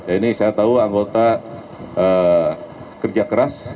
ini saya tahu anggota kerja keras